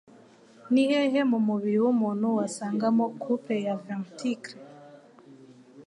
Nihehe mumubiri wumuntu wasangamo couple ya Ventricles?